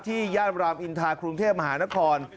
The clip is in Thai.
ย่านรามอินทากรุงเทพมหานคร